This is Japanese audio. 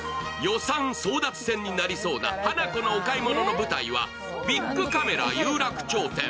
予算争奪戦になりそうなハナコのお買い物の舞台は、ビックカメラ有楽町店。